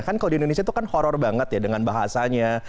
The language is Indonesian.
kan kalau di indonesia itu kan horror banget ya dengan bahasanya